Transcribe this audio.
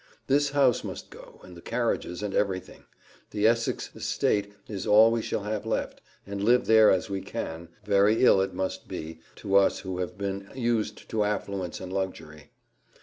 this house must go, and the carriages, and every thing; the Essex estate is all we shall have left, and live there as we can very ill it must be, to us who have been used to affluence and luxury.